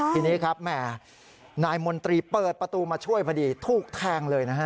ทีนี้ครับแหมนายมนตรีเปิดประตูมาช่วยพอดีถูกแทงเลยนะฮะ